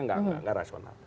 nggak nggak rasional